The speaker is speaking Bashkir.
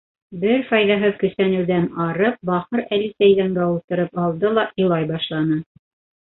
Бер файҙаһыҙ көсәнеүҙән арып, бахыр Әлисә иҙәнгә ултырып алды ла илай башланы.